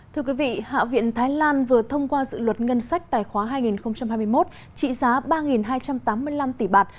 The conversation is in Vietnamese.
thưa quý vị hạ viện thái lan vừa thông qua dự luật ngân sách tài khoá hai nghìn hai mươi một trị giá ba hai trăm tám mươi năm tỷ bạt